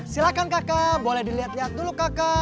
silahkan kakak boleh dilihat lihat dulu kakak